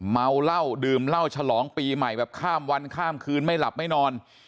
เมาเหล้าดื่มเหล้าฉลองปีใหม่แบบข้ามวันข้ามคืนไม่หลับไม่นอน